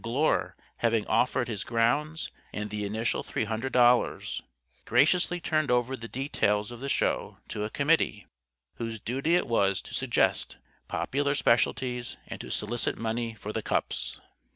Glure, having offered his grounds and the initial three hundred dollars, graciously turned over the details of the Show to a committee, whose duty it was to suggest popular Specialties and to solicit money for the cups.